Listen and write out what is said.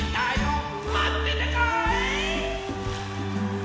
「まってたかい！」